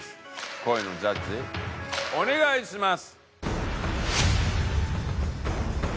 恋のジャッジお願いします！